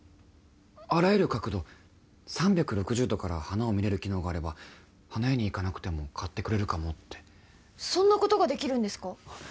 あらゆる角度３６０度から花を見れる機能があれば花屋に行かなくても買ってくれるかもってそんなことができるんですか？